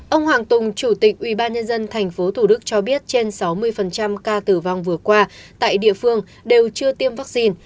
ông hoàng tùng chủ tịch ubnd tp thủ đức cho biết trên sáu mươi ca tử vong vừa qua tại địa phương đều chưa tiêm vaccine